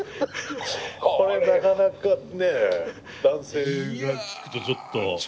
これなかなかね男性が聞くとちょっと。